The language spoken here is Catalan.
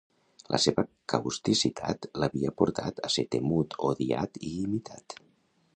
La seva causticitat l'havia portat a ser temut, odiat i imitat.